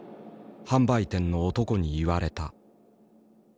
販売店の男に言われた。